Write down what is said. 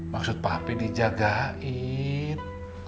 maksud papi dijagain